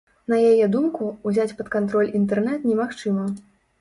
На яе думку, узяць пад кантроль інтэрнэт немагчыма.